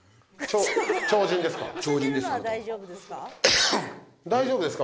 超人です